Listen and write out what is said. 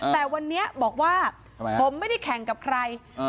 แต่วันนี้บอกว่าทำไมฮะผมไม่ได้แข่งกับใครอืม